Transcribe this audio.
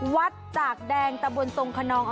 วัดจากแดงตะบนทรงคนนอง